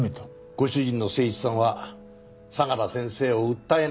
ご主人の誠一さんは相良先生を訴えないそうです。